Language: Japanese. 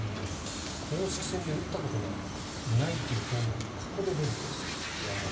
公式戦で打ったことがないというホームランがここで出るという。